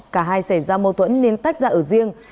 cả hai xảy ra mâu thuẫn nên tách ra ở riêng